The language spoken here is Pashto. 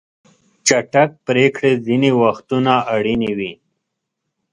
چټک پریکړې ځینې وختونه اړینې وي.